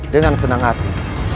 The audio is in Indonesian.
dengan senang hati